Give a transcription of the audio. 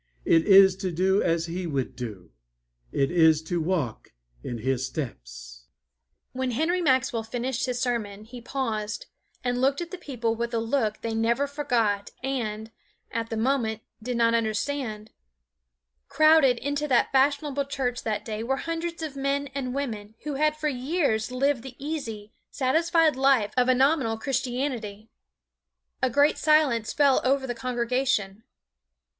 It is to do as He would do. It is to walk in His steps." When Henry Maxwell finished his sermon, he paused and looked at the people with a look they never forgot and, at the moment, did not understand. Crowded into that fashionable church that day were hundreds of men and women who had for years lived the easy, satisfied life of a nominal Christianity. A great silence fell over the congregation.